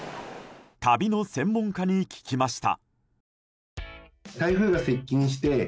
旅の専門家に聞きました。